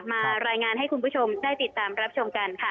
มารายงานให้คุณผู้ชมได้ติดตามรับชมกันค่ะ